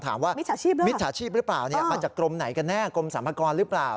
มิจฉาชีพหรือเปล่ามิจฉาชีพหรือเปล่ามาจากกรมไหนกันแน่กรมสรรพากรหรือเปล่า